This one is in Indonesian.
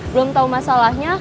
belum tahu masalahnya